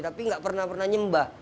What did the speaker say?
tapi nggak pernah pernah nyembah